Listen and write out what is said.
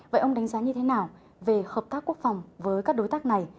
vậy ông đánh giá như thế nào về hợp tác quốc phòng với các đối tác này